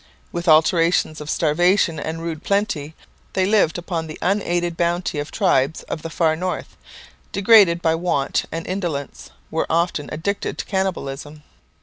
With alternations of starvation and rude plenty, they lived upon the unaided bounty of tribes of the far north, degraded by want and indolence, were often addicted to cannibalism.